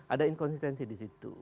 ada inkonsistensi di situ